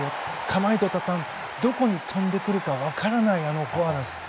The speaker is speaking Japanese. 構えたとたんどこに飛んでくるか分からない、あのフォアです。